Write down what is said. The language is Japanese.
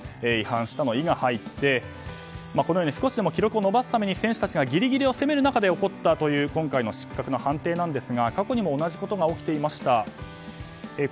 違反したの「イ」が入って少しでも記録を伸ばすために選手たちがギリギリを攻める中で起こった今回の失格の判定ですが過去にも同じことが起きていました。